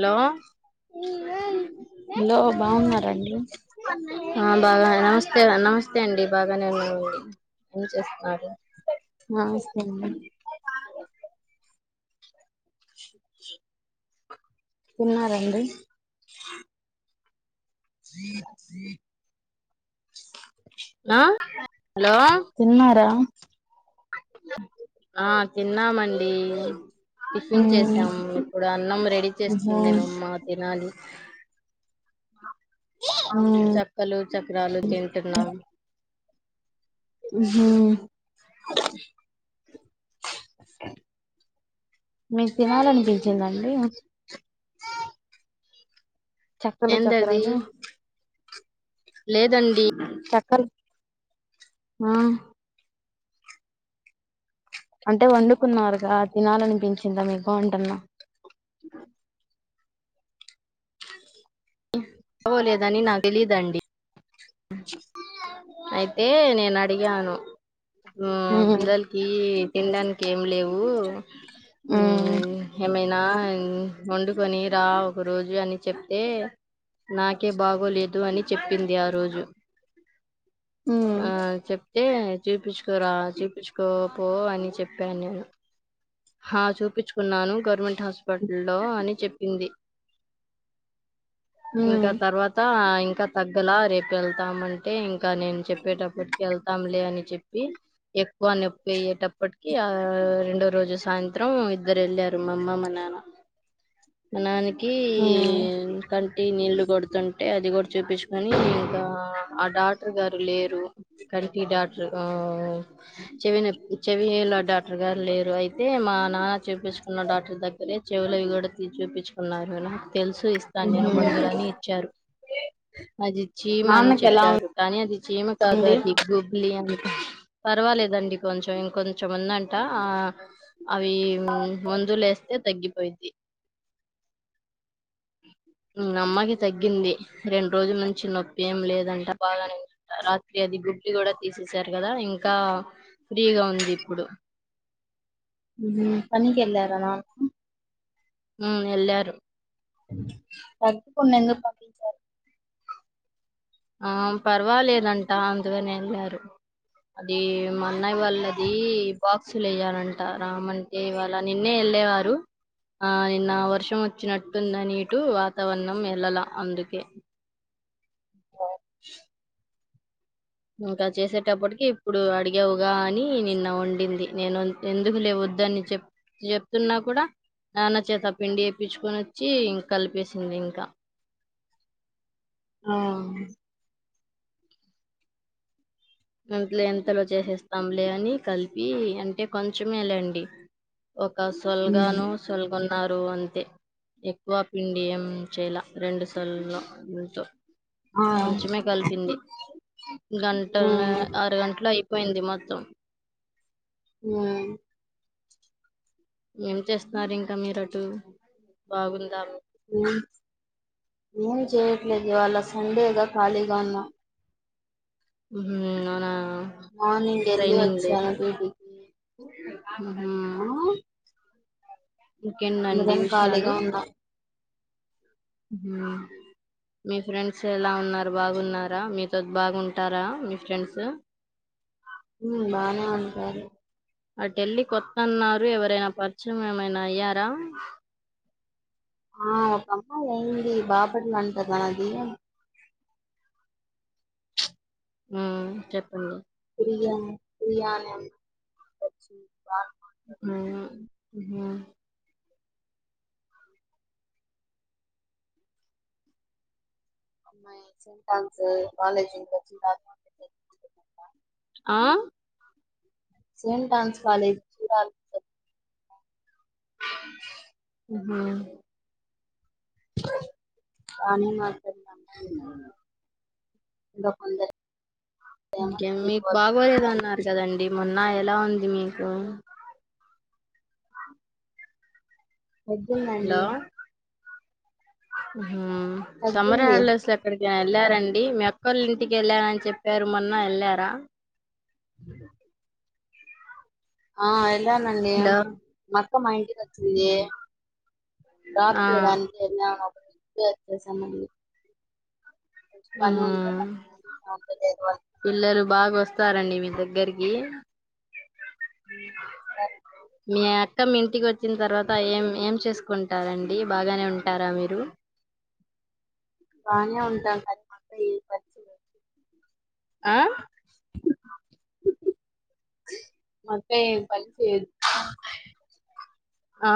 Hello hello బాగున్నారండి ఆ బాగనేన నమస్తే నమస్తే నమస్తే అండి బాగానే ఉన్నామండి ఏం చేస్తున్నారు నవస్తే అండి తిన్నారండి నా హలో తిన్నారా ఆ తిన్నామండి టిఫిన్ మ్మ్ చేసామ్ ఇప్పుడు అన్నం రెడీ ఉహు చేస్తుందేమమ్మ తినాలి మ్మ్ చక్కలు చక్రాలు తింటున్నాం హుహుమ్ మీకు తినాలనిపించిందండి చక్కలు ఏందది చక్రాలు లేదండి తట్ కర్ ఆ అంటే వండుకున్నారుగా తినాలనిపించిందా మీకు అంటున్నా చవోలేదని నాకు తెలీదండి అయితే నేను అడిగాను ఆ మ్మ్ పిల్లలకి తినడానికి ఏం లేవూ మ్మ్ మ్ మే నా వండుకొని రా ఒక రోజు అని చెప్తే నాకే బాగోలేదు అని చెప్పింది ఆ రోజు అ మ్మ్ ఆ చెప్తే చూపిచుకోరా చూపిచుకోపో అని చెప్పాను నేను హ చూపిచుకున్నాను గవర్నమెంట్ హాస్పిటల్ లో అని చెప్పి ఉంది మ్మ్ ఇంకా తర్వాత ఇంకా తగ్గలా రేపు వెళ్తామంటే ఇంకా నేను చెప్పేటప్పటికి వెళ్తాంలే అని చెప్పి ఎక్కువ నొప్పి అయ్యేటప్పటికి ఆ రెండో రోజు సాయంత్రం ఇద్దరు వెళ్ళారు మా అమ్మ మా నాన్న మా నాన్న కి కీ మ్మ్ కం కీ నీళ్లు కొడుతుంటే అది కూడా చూపించుకొని ఆ డాక్టర్ గారు లేరు కంటి డాక్ట ఆ చెవి చెవిలు డాక్టర్ గారు లేరు అయితే మా నాన్న చూపించుకున్న డాక్టర్ దగ్గరే చెవులవి కూడా చూపించుకున్నారు తెలుసు ఇస్తాను ఉహు నేను మందులని ఇచ్చారు అది చీమ అని నాన్నకి ఎలా చెప్పారు కానీ అది చీమ కాదు ఉంది అది గుబిలి పర్వాలేదండి కొంచెం ఇంకొంచెం ఉందంట ఆ అవి మందు లేస్తే తగ్గిపోయిద్ది అమ్మకి తగ్గింది రెండు రోజుల నుంచి నొప్పి ఏం లేదంట బాగానే ఉందంట రాత్రి అది గుబ్లీ కూడా తీసేసారు కదా ఇంకా ఫ్రీగా ఉంది ఇప్పుడు ఊహు పనికి వెళ్ళారా నాన్న మ్ ఎల్లారు సద్దుకోండి అందరూ పంపించారు ఆ పర్వాలేదంటా అందుకని వెళ్ళారు అదీ మా అన్నయ్య వాళ్ళ అదీ బాక్సులు వెయ్యాలంటా రామంటే ఇవాళ నిన్నే వెళ్ళేవారు ఆ నిన్న వర్షం వ వచ్చినట్టుందనిటు వన్నం వెళ్ళల అందుకే ఇంకా చేసేటప్పటికి ఇప్పుడు అడిగావుగా అని నిన్న వండిందినేను ఎందుకు లే వద్దని చెప్ చెప్తున్నా కూడా నాన్న చేత పిండి తెప్పించుకొని వచ్చి ఇం కలిపేసింది ఇంకా ఆ ఇంట్లో ఎంతలో చేసేస్తాంలే అని కలిపి అంటే కొంచమే లేండి ఒక మ్మ్ సొల్గాను సొల్గను ఆరు అంతే వా పిండి అంచెల రెండు సళ్ళో ఉంట ఆ ఇంకా ల మ్మ్ ఆరు గంటయిపో పోయింది మొత్తం ఉ ఏం చేస్తున్నారు ఇంకా మీరు అటు బాగుందా ఏం చేయట్లేదు ఇవాళ సండేగా ఖాళీగా ఉన్నా ఉ అవునా మార్నింగ్ ఎళ్ళి ట్రైనింగ్ వచ్చను డ్యూటీకి ఉ ఇంధన విషయాలు ఖాళీగా ఉందా మీ ఫ్రెండ్స్ ఎలా ఉన్నారు బాగున్నారా, మీతో బాగుంటారా మీ ఫ్రెండ్స్ ఉ బానా ఉంటారు ఆ ఢిల్లీ కొత్తన్నారు ఎవరైనా పరిచయం ఏమైనా అయ్యారా ఆ ఒకమ్మా ఏయింది బాబట్ మంట అది ఆ చెప్పండి [inaudible] ఉమ్ ఉ అమ్మా సట్ టమ్స్ కాలేజచ్చి ఆ సంట్ డాన్స్ కాలేజ్ చూడ [unintelligible] హ కానీ [unintelligible] ద కొంద ఇంకే మీకు బాగోలేదు అన్నారు కదండి మొన్న ఎలా ఉంది మీకు ఎద్దుండండి హలో మ్ సమ్మర్ తగ్గింది హాలిడేస్ లో ఎక్కడకి వె వెళ్లారండి మీ అక్కోలింఇంటికి వెళ్ళారని చెప్పారు మొన్న వెళ్లారా ఆఎ ఎలానండి హలో మొత్తం మా అక్క మా ఇంటికి వచ్చింది డ్రాప్ ఆ చేయడానికి ఎల్లాము గ సమ్ [unintelligible] ఆ చూసాము లేదు వాళ్ళు పిల్లలు బాగొ వస్తారండి మీ దగ్గరికి మీయాత్ అత్తమ్మ మీ ఇంటికి వచ్చిన తర్వాత ఏం ఏం చేసుకుంటారండి బాగానే ఉంటారా మీరు బానె ఉంటాం కాని మాక్కఈ పరిస్థితి [inaudible] ఆ మా అత్త ఏం పన్ చెయిదు ఆ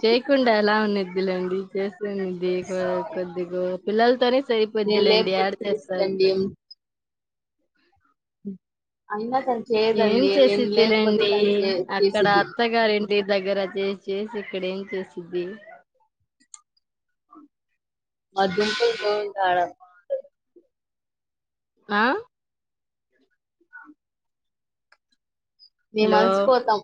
చేయకుండ ఎలా ఉన్ని వద్దులేండి చేస్తానంది [unintelligible] కొద్దిగా పిల్లలతోనే నేను సరిపోద్దిలేండి యాడ లేకపోతే చేస్తారు చేసిద్దండి హ అయినా తను చేయదండి నేను లేకపోతే చేసిద్దిలేండి తను చే చేసిద్ది దే దగ్గర చేసి చేసి ఇక్కడ ఎమ్ చేసిద్ది మా ధుంపుల్ పోయింటడమ్మా ఆ మేము హలో అలసిపోతాం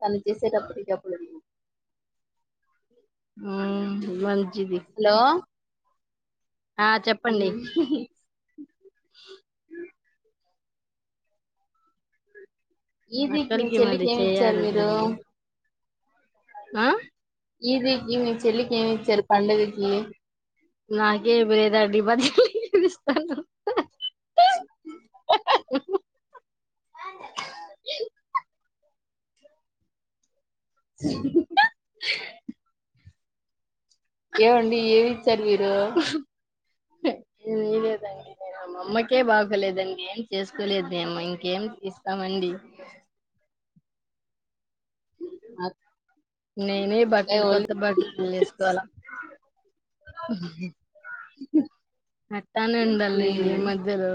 తను చేసేటప్పటికప్పుడు మ్మ్ మంత్ జివి మ్మ్ అ ఈవెనింగ్కి మీ అక్కలకి చెల్లికి మరి ఏవిచ్చారు చేయాలి మీరు రండి ఆ ఇది ఈవి చెలి ఏవ్ ఇచ్చారు పండగకి నాకే బెదా [unintelligible] కేవ్ కా ఏ హమ్ హ్మ్ ఏవండి ఏవి [unintelligible] ఏ ఏం లేదండి నేను మా అమ్మకే బాగోలేదని ఏం చేసుకోలేదు మేం ఇంకేం ఇస్తామండి నాక్ నేనే బట్టలు కొత్త బట్టలు లేస్కోలా హమ్ అటనే ఉండలెండి ఈ మధ్యలో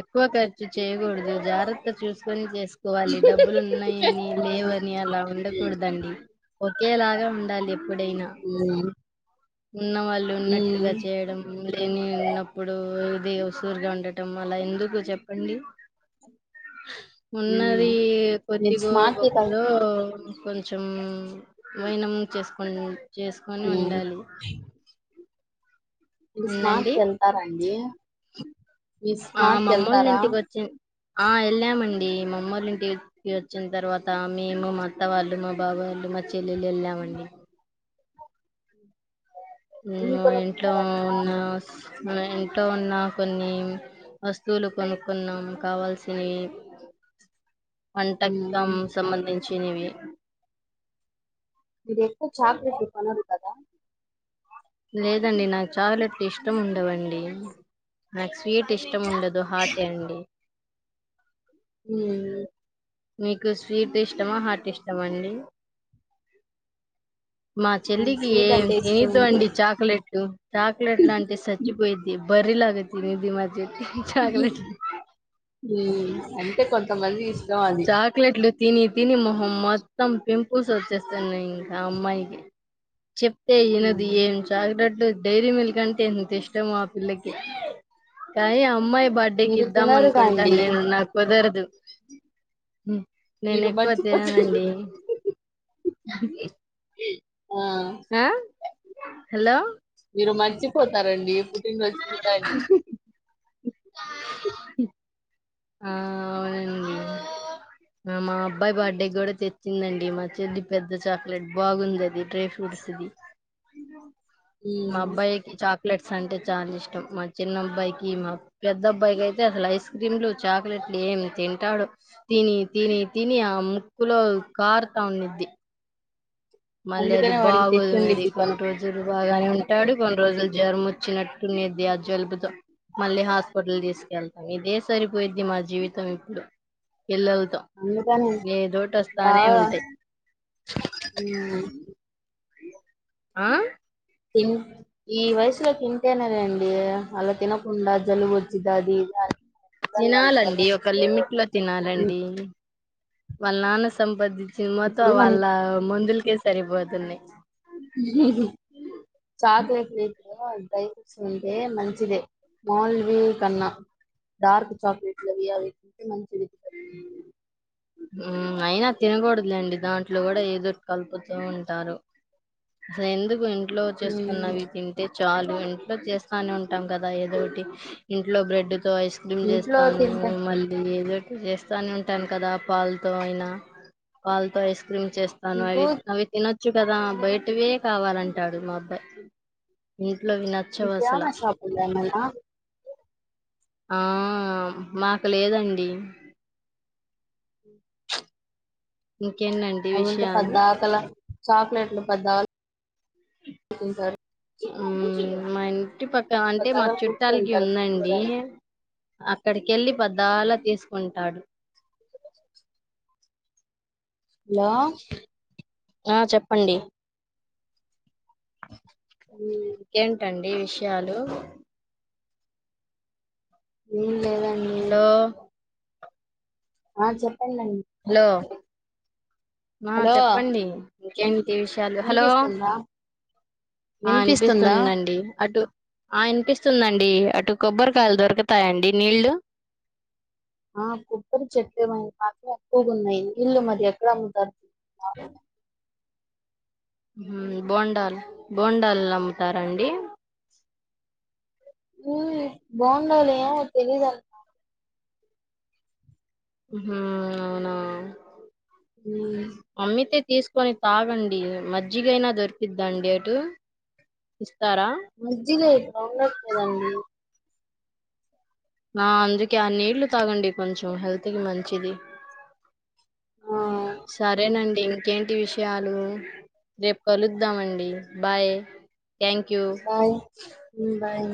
ఎక్కువ క ర్చు చేయకూడదు. జాగ్రత్త చూసుకొని చేసుకోవాలి డబ్బులు ఉన్నాయని లేవని అలా ఉండకూడదండి. ఒకేలాగా ఉండాలి. ఎప్పుడైనా ఉమ్ ఉన్న వాళ్ళు ఉన్నట్టుగా ఉమ్ చేయడం. లేనివి ఉన్నప్పుడు అది సూరుగ్గ ఉండటం అలా ఎందుకు చెప్పండి. ఉమ్ ఉన్నది. మీరు కొద్దిగో స్మార్ట్ వెల్ గొప్పదొ కొంచెం మైనం చేసుకోని చేసుకొని ఉమ్ ఉండాలి. డిస్మార్ట్ ఉందండి కి వెళ్తారా అండి. మీరు ఆ స్మార్ట్ కి మామ్మోల్ల వెళ్తారా ఇంటికి వచ్చిం. ఆ వెళ్ళామం డి మామ్మొల్లా ఇంటి కి వచ్చిన తర్వాత మేము మా అత్త వాళ్ళు, మా బాబా వాళ్ళు, మా చెల్లెళ్లు, వెళ్ళామండి. హ్మ్ ఏమి మా ఇంట్లో కొనుక్కుంటారు అక్కడ ఉన్న సా మనం ఇంట్లో ఉన్న కొన్ని వస్తువులు కొనుక్కున్నాం కావాల్సినవి. వంటకం ఉమ్ సంబంధిం చిన్నవి. ఏ మీరు ఎప్పుడు చాక్లెట్ దుకాణం తీస్తారు. కదా లేదండి. నాకు చాక్లెట్లు ఇష్టం ఉండవండి. నాకు స్వీట్ ఇష్ట ష్టం ఉండదు. హార్ట్ ఏ అండి. ఉమ్ మీకు స్వీట్ ఇష్టమా హార్ట్ ఇష్టమా అండి. మా నాకు చెల్లికి స్వీట్ ఏం అంటే ఇష్టం తినొద్దు ఉండదు అండి. చాక్లెట్టు చాక్లెట్లంటే చచ్చిపోయిద్ది. బర్రి లాగా తినుద్ది మా చెల్ ఉహు ఉమ్ అంటే కొంతమందిస్ చాక్లేెట్లు తిని తిని మొహం మొత్తం పింపుల్స్ వచ్చేస్తున్నాయి. ఇంకా ఆ అమ్మాయికి చెప్ ప్తే వినది. హ్మ్. ఏం చాగటట్లు డైరీ మిల్క్ అంటే ఎంత ఇష్టమో ఆ పిల్లకి కానీ అమ్మాయి బర్త్డే కి మీరు ఇద్దాం తినరుగా అండి? అనుకుంటాను నేను నాకు కుదరదు ఉమ్ నేను మీరు ఎక్కువ మర్చిపోతారు. తిననండి. [unintelligible] ఆ! నా హలో మీరు మర్చిపోతారండి ఇప్పుడు ర్ పడ [unintelligible] ఆ అవునండి మా అబ్బాయి బర్త్ డే కూడా తెచ్చిందండి మా చెల్లి పెద్ద చాక్లెట్ బాగుంది అది డ్రై ఫ్రూప్ట్స్ ది మా హ్మ్. అబ్బాకి చాక్ ప్లేట్స్ అంటే చాలా ఇష్టం మా చిన్న అబ్బాయికి మా పెద్ద అబ్బాయికి అయితే అసలు ఐస్ క్రీంలు చాక్లెట్లు ఏం తింటాడు తిని తిని తిని ఆ ముక్కులో కారుత ఉండిద్ది మళ్ళీ అది అందుకనే వాడికి బాగోదు మరి తెచ్చుండిద్ది తను. కొన్ని రోజులు బా బాగానే ఉంటాడు కొన్ని రోజులు జ్వరం వచ్చినట్టుండది ఆ జలుబుతో మళ్ళీ హాస్పిటల్ తీసుకెళ్తాము ఇదే సరిపోయిద్ది మా జీవితం ఇప్పుడు పిల్లల్తో అందుకనే ఏదోటి వస్తానే బాగా ఉంటది అ హ్మ్. [unintelligible] ఆ తి ఈ వయసులో తింటేనే అండి అలా తినకుండా జలుబుజచ్చిది అది పిల్లల్ని అంత తినాలండి బలవంతం ఒక లిమిట్ చేయకూడదు. లో హ్మ్. తినాలండి వాళ్ళ నాన్న సంబది సినిమాతో ఇప్పుడు వాళ్ళ ముందులు కె సరిపోదునయ్ చాకోలెట్ [unintelligible] డ్రై ఫ్రూట్స్ ఉంటే మంచిదే మళ్లవి కన్నా డార్క్ చాక్లెట్ లవి అవింటే మంచిది అయినా తినకూడదులేండి దాంట్లో కూడా ఏదోటి కలుపుతూ ఉంటారు అసలు ఎందుకు ఇంట్లో మ్మ్ చేసుకున్నవి తింటే చాలు ఇంట్లో చేస్తానే ఉంటాం కదా ఏదోటి ఇంట్లో బ్రెడ్ తో ఐస్ క్రీమ్ ఇంట్లో చేస్తాను తింటే మళ్ళీ ఏదోటి చేస్తానే ఉంటాను కదా పాల్తో అయినా పాల్తో ఐస్ మ్ చేస్తాను నీకు అవి అవి తినద్దు చ్చు కదా బయటవే కావాలంటాడు మా అబ్బాయి ఇంట్లోవి నచ్చవు మీకు అసలు ఏమేం షాపులు ఉన్నాయి మల ఆహ్ ఆ మాకు లేదండి ఇంకేంటండి అవుంటె విషయాలు పద్దాకలా చాక్లెట్లు పెద్ద [unintelligible] మ్ మైన్ చుట్టుపక్క అంటే మా పద్దాకల గుడికి చుట్టాలకి వెళ్తారు ఉందండి కొనుక్కోడానికి అక్కడికి ఎల్లి పద్దాల తీసుకుంటాడు హలో ఆ చెప్పండి ఉమ్, [inaudible] ఇంకే అండి విషయాలు మ్మ్ హలో ఆ చెప్ప హలో ఆ హలో చెప్పండి ఇంకేం విషయాలు హలో వినిపిస్తుందా ఆ వినిపిస్తుందా వినిపిస్తుందండి అటు ఆ వినిపిస్తుందండి అటు కొబ్బరికాయలు దొరుకుతాయండి నీళ్ళలు కొబరి చెట్టలే [unintelligible] ఉన్నాయి ఇల్లు మరి ఎక్కడ అమ్ముత హ బోండాల్ బోండాల్ అమ్ముతారండి బొండాలు ఏమో తెలీదు మ్మ్ అవునా మ్మ్ అమ్మితే తీసుకొని తాగండి మజ్జిగయినా దొరికిద్దండి అటు ఇస్తారా మజ్జిగా ఇక్కడ ఉండట్లేదు అండి ఆ అందుకే ఆ నీళ్లు తాగండి కొంచెం హెల్త్ కి మంచిది ఆ సరేనండి ఇంకేంటి విషయాలు రేపు కలుద్దామండి bye thank you bye bye